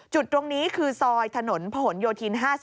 จุดตรงนี้คือซอยถนนผนโยธิน๕๐